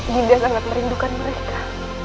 ginda sangat merindukan mereka